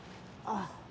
ああ。